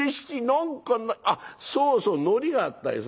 何かないあっそうそうのりがあったよ。